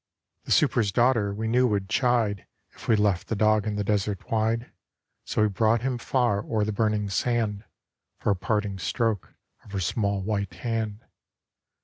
The super's daughter we knew would chide If we left the dog in the desert wide; So we brought him far o'er the burning sand For a parting stroke of her small white hand.